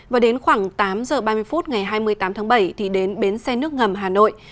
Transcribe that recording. và đến khoảng tám giờ ba mươi phút ngày hai mươi tám tháng bảy thì đến bến xe nước ngầm hà nội